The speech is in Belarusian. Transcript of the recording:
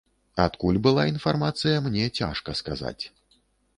Адкуль была інфармацыя, мне цяжка сказаць.